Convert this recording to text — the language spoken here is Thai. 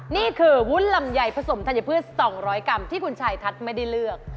นี่คือวุ้นลำไยผสมธัญพืช๒๐๐กรัมที่คุณชายทัศน์ไม่ได้เลือก